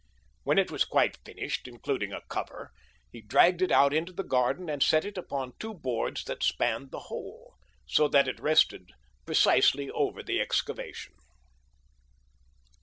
When it was quite finished, including a cover, he dragged it out into the garden and set it upon two boards that spanned the hole, so that it rested precisely over the excavation.